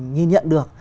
nhìn nhận được